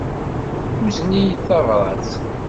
Yuzen-iyi-d tabrat.